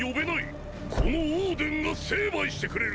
このオードゥンが成敗してくれる！